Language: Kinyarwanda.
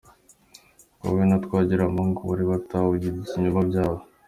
Ngo we na Twagiramungu bari barabatahuye ibinyoma byabo.